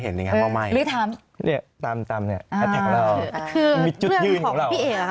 หรือทำเรียกตามตามเนี้ยอาทิตย์ของเราคือเรื่องของพี่เอกค่ะ